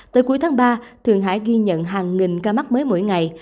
tới cuối tháng ba thường hải ghi nhận hàng nghìn ca mắc mới mỗi ngày